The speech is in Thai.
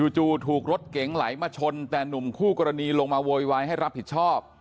จู่ถูกรถเก๋งไหลมาชนแต่หนุ่มคู่กรณีลงมาโวยวายให้รับผิดชอบ